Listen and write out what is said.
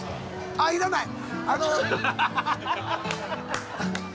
あっいらない。